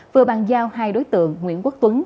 vừa bàn giao hai đối tượng nguyễn quốc tuấn